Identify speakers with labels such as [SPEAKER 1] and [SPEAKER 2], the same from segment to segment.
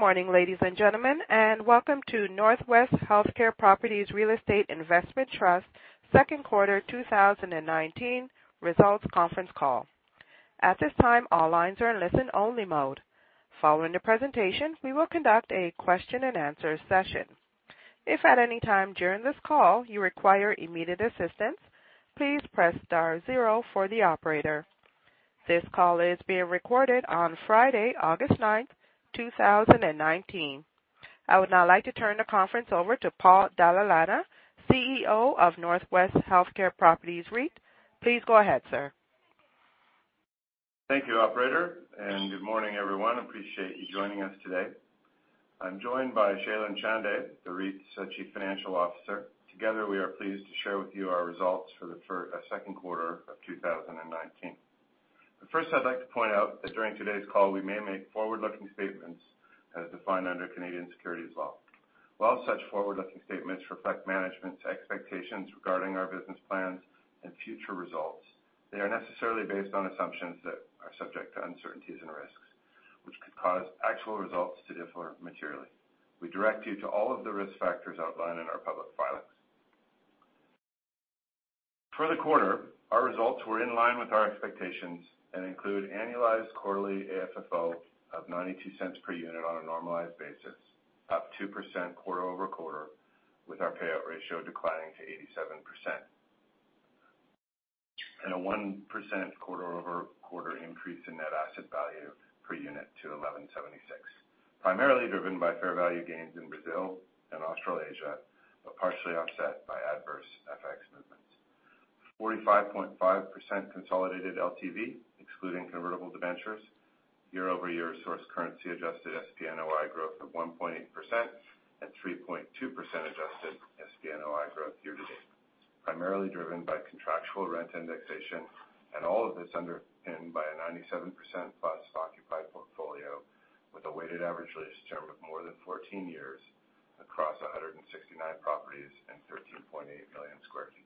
[SPEAKER 1] Morning, ladies and gentlemen, welcome to NorthWest Healthcare Properties Real Estate Investment Trust Second Quarter 2019 Results Conference Call. At this time, all lines are in listen-only mode. Following the presentation, we will conduct a question and answer session. If at any time during this call you require immediate assistance, please press star zero for the operator. This call is being recorded on Friday, August 9th, 2019. I would now like to turn the conference over to Paul Dalla Lana, CEO of NorthWest Healthcare Properties REIT. Please go ahead, sir.
[SPEAKER 2] Thank you, operator, and good morning, everyone. Appreciate you joining us today. I'm joined by Shailen Chande, the REIT's Chief Financial Officer. Together, we are pleased to share with you our results for the second quarter of 2019. First, I'd like to point out that during today's call, we may make forward-looking statements as defined under Canadian securities law. While such forward-looking statements reflect management's expectations regarding our business plans and future results, they are necessarily based on assumptions that are subject to uncertainties and risks, which could cause actual results to differ materially. We direct you to all of the risk factors outlined in our public filings. For the quarter, our results were in line with our expectations and include annualized quarterly AFFO of 0.92 per unit on a normalized basis, up 2% quarter-over-quarter, with our payout ratio declining to 87%. A 1% quarter-over-quarter increase in net asset value per unit to 11.76, primarily driven by fair value gains in Brazil and Australasia, partially offset by adverse FX movements. 45.5% consolidated LTV, excluding convertible debentures, year-over-year source currency adjusted SPNOI growth of 1.8% and 3.2% adjusted SPNOI growth year to date, primarily driven by contractual rent indexation, all of this underpinned by a 97%+ occupied portfolio with a weighted average lease term of more than 14 years across 169 properties and 13.8 million square feet.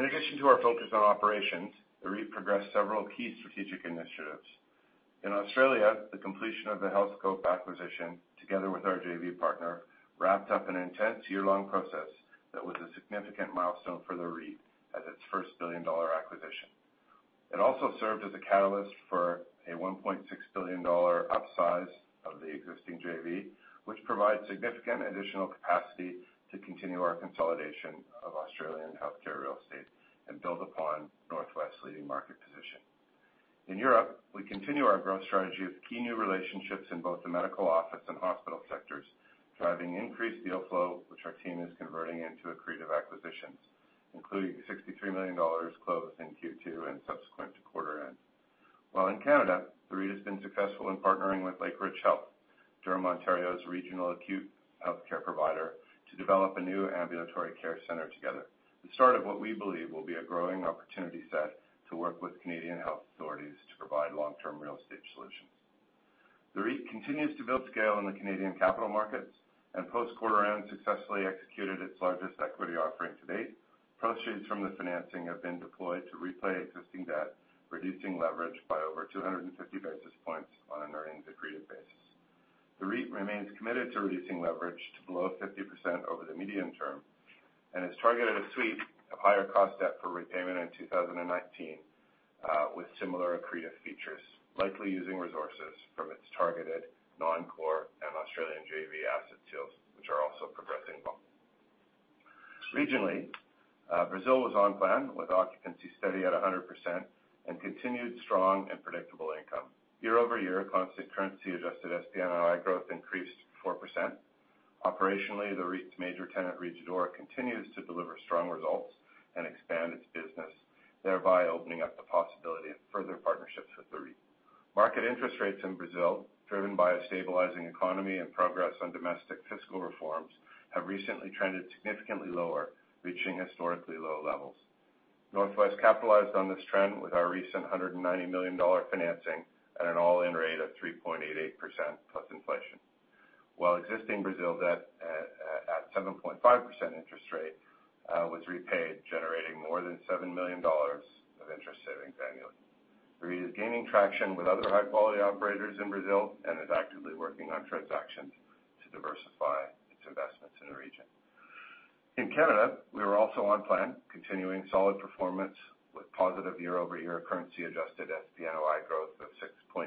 [SPEAKER 2] In addition to our focus on operations, the REIT progressed several key strategic initiatives. In Australia, the completion of the Healthscope acquisition, together with our JV partner, wrapped up an intense year-long process that was a significant milestone for the REIT as its first billion-dollar acquisition. It also served as a catalyst for a 1.6 billion dollar upsize of the existing JV, which provides significant additional capacity to continue our consolidation of Australian healthcare real estate and build upon NorthWest's leading market position. In Europe, we continue our growth strategy with key new relationships in both the medical office and hospital sectors, driving increased deal flow, which our team is converting into accretive acquisitions, including 63 million dollars closed in Q2 and subsequent to quarter end. While in Canada, the REIT has been successful in partnering with Lakeridge Health, Durham, Ontario's regional acute healthcare provider, to develop a new ambulatory care center together, the start of what we believe will be a growing opportunity set to work with Canadian health authorities to provide long-term real estate solutions. The REIT continues to build scale in the Canadian capital markets and post-quarter-end successfully executed its largest equity offering to date. Proceeds from the financing have been deployed to repay existing debt, reducing leverage by over 250 basis points on an earnings accretive basis. The REIT remains committed to reducing leverage to below 50% over the medium term and has targeted a suite of higher cost debt for repayment in 2019, with similar accretive features, likely using resources from its targeted non-core and Australian JV asset sales, which are also progressing well. Regionally, Brazil was on plan with occupancy steady at 100% and continued strong and predictable income. Year-over-year, constant currency adjusted SPNOI growth increased 4%. Operationally, the REIT's major tenant, Rede D'Or, continues to deliver strong results and expand its business, thereby opening up the possibility of further partnerships with the REIT. Market interest rates in Brazil, driven by a stabilizing economy and progress on domestic fiscal reforms, have recently trended significantly lower, reaching historically low levels. NorthWest capitalized on this trend with our recent 190 million dollar financing at an all-in rate of 3.88% plus inflation, while existing Brazil debt at 7.5% interest rate was repaid, generating more than 7 million dollars of interest savings annually. The REIT is gaining traction with other high-quality operators in Brazil and is actively working on transactions to diversify its investments in the region. In Canada, we were also on plan, continuing solid performance with positive year-over-year currency adjusted SPNOI growth of 6.6%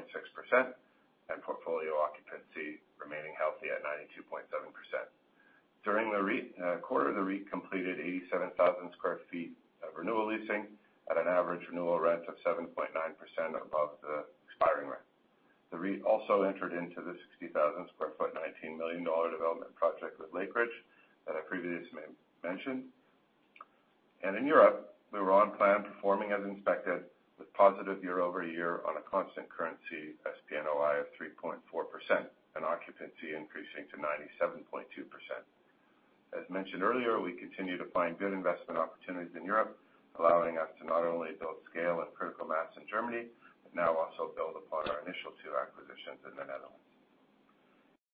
[SPEAKER 2] and portfolio occupancy remaining healthy at 92.7%. During the quarter, the REIT completed 87,000 sq ft of renewal leasing at an average renewal rent of 7.9% above the expiring rent. The REIT also entered into the 60,000 sq ft, 19 million dollar development project with Lakeridge that I previously mentioned. In Europe, we were on plan, performing as inspected, with positive year-over-year on a constant currency SPNOI of 3.4% and occupancy increasing to 97.2%. As mentioned earlier, we continue to find good investment opportunities in Europe, allowing us to not only build scale and critical mass in Germany, but now also build upon our initial two acquisitions in the Netherlands.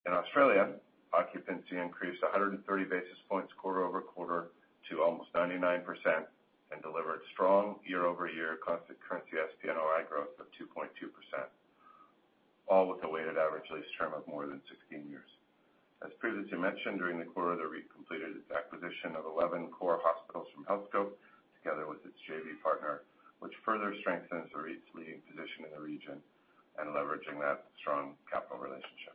[SPEAKER 2] In Australia, occupancy increased 130 basis points quarter-over-quarter to almost 99%, and delivered strong year-over-year constant currency SPNOI growth of 2.2%, all with a weighted average lease term of more than 16 years. As previously mentioned, during the quarter, the REIT completed its acquisition of 11 core hospitals from Healthscope, together with its JV partner, which further strengthens the REIT's leading position in the region and leveraging that strong capital relationship.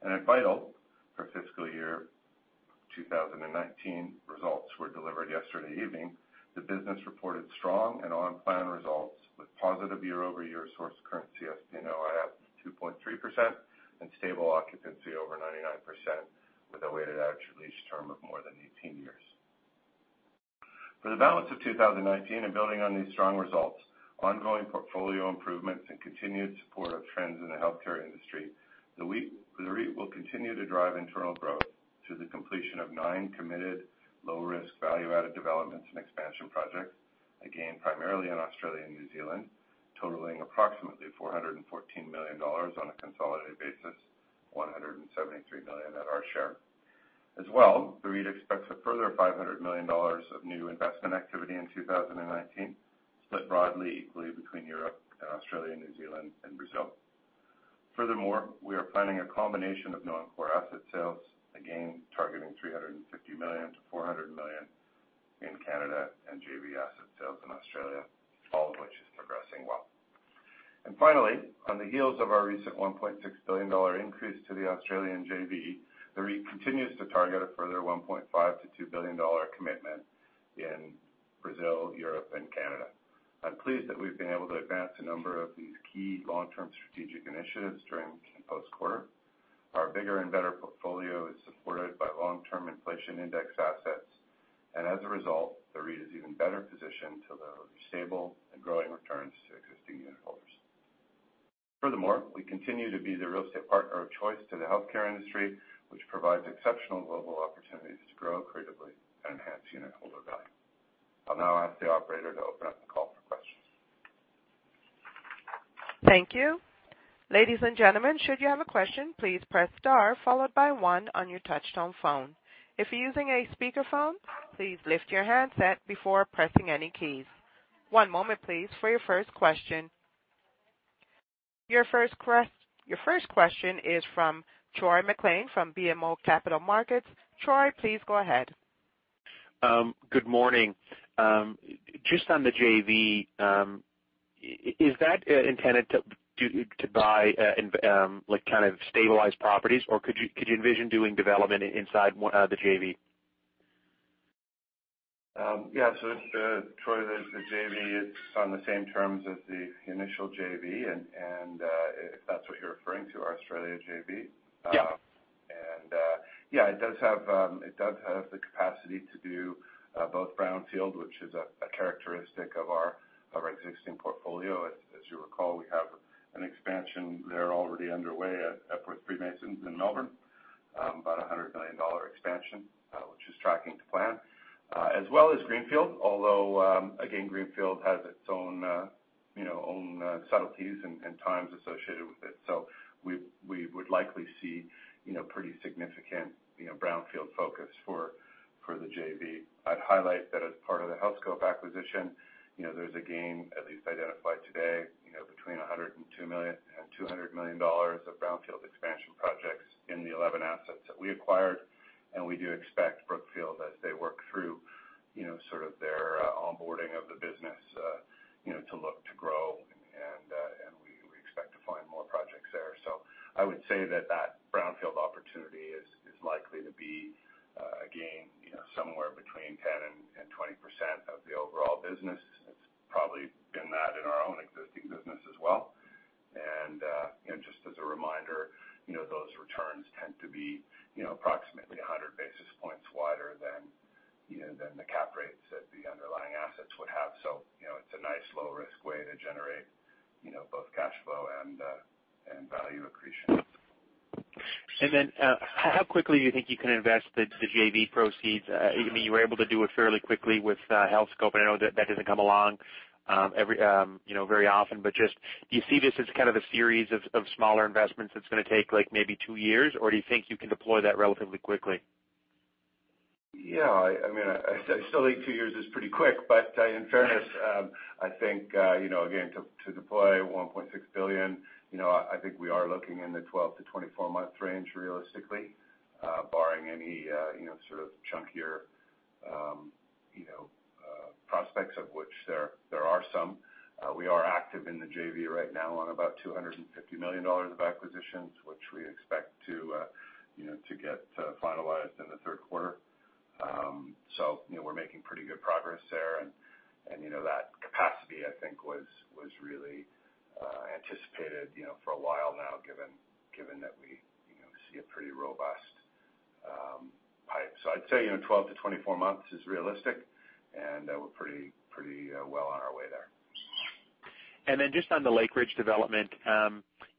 [SPEAKER 2] At Vital, for FY 2019, results were delivered yesterday evening. The business reported strong and on-plan results, with positive year-over-year source currency SPNOI up 2.3%, and stable occupancy over 99%, with a weighted average lease term of more than 18 years. For the balance of 2019 and building on these strong results, ongoing portfolio improvements, and continued support of trends in the healthcare industry, the REIT will continue to drive internal growth through the completion of nine committed low-risk value-added developments and expansion projects, again, primarily in Australia and New Zealand, totaling approximately 414 million dollars on a consolidated basis, 173 million at our share. As well, the REIT expects a further 500 million dollars of new investment activity in 2019, split broadly equally between Europe and Australia, New Zealand, and Brazil. Furthermore, we are planning a combination of non-core asset sales, again, targeting 350 million-400 million in Canada and JV asset sales in Australia, all of which is progressing well. Finally, on the heels of our recent 1.6 billion dollar increase to the Australian JV, the REIT continues to target a further 1.5 billion-2 billion dollar commitment in Brazil, Europe, and Canada. I'm pleased that we've been able to advance a number of these key long-term strategic initiatives during the post quarter. Our bigger and better portfolio is supported by long-term inflation-indexed assets. As a result, the REIT is even better positioned to deliver stable and growing returns to existing unitholders. Furthermore, we continue to be the real estate partner of choice to the healthcare industry, which provides exceptional global opportunities to grow creatively and enhance unitholder value. I'll now ask the operator to open up the call for questions.
[SPEAKER 1] Thank you. Ladies and gentlemen, should you have a question, please press star followed by one on your touch-tone phone. If you're using a speakerphone, please lift your handset before pressing any keys. One moment, please, for your first question. Your first question is from Troy MacLean from BMO Capital Markets. Troy, please go ahead.
[SPEAKER 3] Good morning. Just on the JV, is that intended to buy kind of stabilized properties, or could you envision doing development inside the JV?
[SPEAKER 2] Yeah. Troy, the JV is on the same terms as the initial JV, and if that's what you're referring to, our Australia JV.
[SPEAKER 3] Yeah.
[SPEAKER 2] Yeah, it does have the capacity to do both brownfield, which is a characteristic of our existing portfolio. As you recall, we have an expansion there already underway at Epworth Freemasons in Melbourne, about a 100 million dollar expansion, which is tracking to plan. As well as greenfield, although again, greenfield has its own subtleties and times associated with it. We would likely see pretty significant brownfield focus for the JV. I'd highlight that as part of the Healthscope acquisition, there's a gain, at least identified today, between 102 million and 200 million dollars of brownfield expansion projects in the 11 assets that we acquired. We do expect Brookfield, as they work through sort of their onboarding of the business, to look to grow, and we expect to find more projects there. I would say that that brownfield opportunity is likely to be, again, somewhere between 10% and 20% of the overall business. It's probably been that in our own existing business as well. Just as a reminder, those returns tend to be approximately 100 basis points wider than the cap rates that the underlying assets would have. It's a nice low-risk way to generate both cash flow and value accretion.
[SPEAKER 3] How quickly do you think you can invest the JV proceeds? You were able to do it fairly quickly with Healthscope, and I know that that doesn't come along very often, but just, do you see this as kind of a series of smaller investments that's going to take maybe two years, or do you think you can deploy that relatively quickly?
[SPEAKER 2] Yeah. I still think two years is pretty quick, but in fairness, I think, again, to deploy 1.6 billion, I think we are looking in the 12 to 24-month range realistically, barring any sort of chunkier prospects of which there are some. We are active in the JV right now on about 250 million dollars of acquisitions, which we expect to get finalized in the third quarter. We're making pretty good progress there. That capacity, I think, was really anticipated for a while now, given that we see a pretty robust pipe. I'd say 12 to 24 months is realistic, and we're pretty well on our way there.
[SPEAKER 3] Just on the Lakeridge development,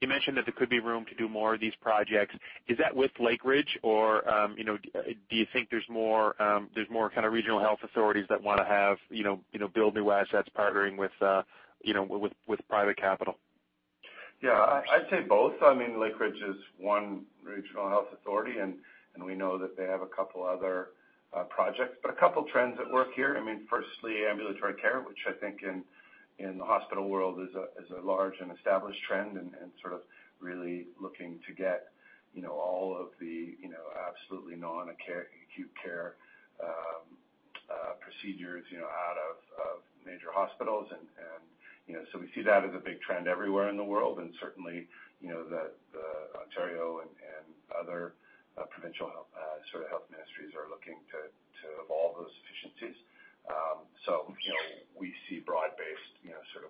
[SPEAKER 3] you mentioned that there could be room to do more of these projects. Is that with Lakeridge, or do you think there's more kind of regional health authorities that want to build new assets partnering with private capital?
[SPEAKER 2] I'd say both. Lakeridge is one regional health authority, and we know that they have a couple other projects, but a couple of trends at work here. Firstly, ambulatory care, which I think in the hospital world is a large and established trend, and really looking to get all of the absolutely non-acute care procedures out of major hospitals. We see that as a big trend everywhere in the world, and certainly, the Ontario and other provincial health ministries are looking to evolve those efficiencies. We see broad-based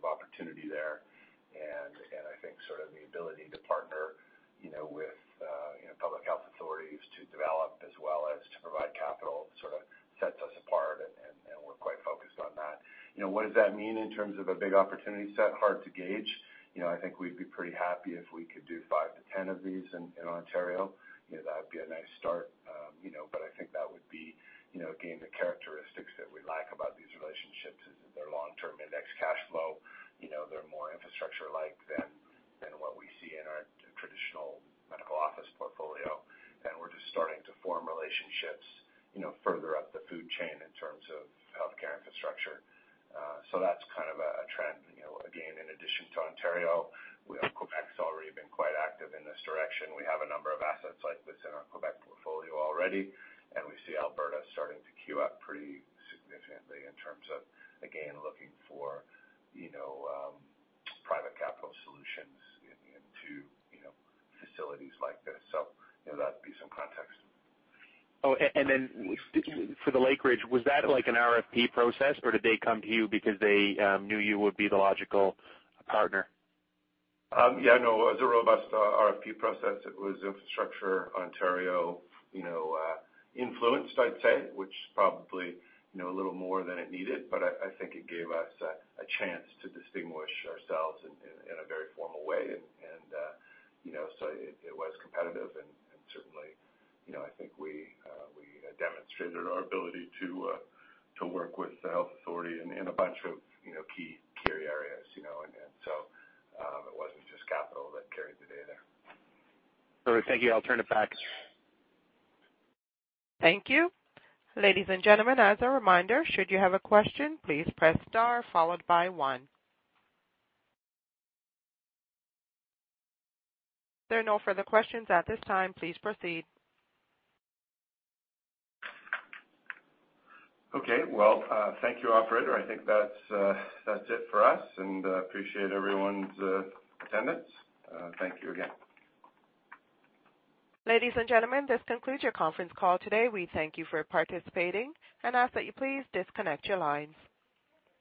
[SPEAKER 2] opportunity there, and I think the ability to partner with public health authorities to develop as well as to provide capital sets us apart and we're quite focused on that. What does that mean in terms of a big opportunity set? Hard to gauge. I think we'd be pretty happy if we could do five to 10 of these in Ontario. That would be a nice start. I think that would be, again, the characteristics that we like about these relationships is that they're long-term index cash flow. They're more infrastructure-like than what we see in our traditional medical office portfolio. We're just starting to form relationships further up the food chain in terms of healthcare infrastructure. That's kind of a trend. Again, in addition to Ontario, Quebec's already been quite active in this direction. We have a number of assets like this in our Quebec portfolio already, and we see Alberta starting to queue up pretty significantly in terms of, again, looking for private capital solutions into facilities like this. That'd be some context.
[SPEAKER 3] Oh, for the Lakeridge, was that an RFP process or did they come to you because they knew you would be the logical partner?
[SPEAKER 2] Yeah, no, it was a robust RFP process. It was Infrastructure Ontario influenced, I'd say, which probably a little more than it needed. I think it gave us a chance to distinguish ourselves in a very formal way. It was competitive and certainly, I think we demonstrated our ability to work with the health authority in a bunch of key areas. It wasn't just capital that carried the day there.
[SPEAKER 3] All right. Thank you. I'll turn it back.
[SPEAKER 1] Thank you. Ladies and gentlemen, as a reminder, should you have a question, please press star followed by one. There are no further questions at this time. Please proceed.
[SPEAKER 2] Okay. Well, thank you, operator. I think that's it for us, and appreciate everyone's attendance. Thank you again.
[SPEAKER 1] Ladies and gentlemen, this concludes your conference call today. We thank you for participating and ask that you please disconnect your lines.